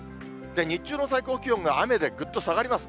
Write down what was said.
日中の最高気温が雨でぐっと下がります。